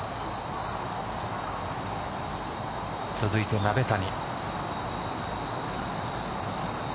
続いて鍋谷。